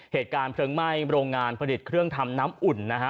เหตุการณ์เพลิงไหม้โรงงานผลิตเครื่องทำน้ำอุ่นนะฮะ